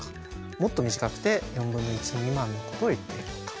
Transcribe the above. もっと短くて４分の１未満のことを言っているのか。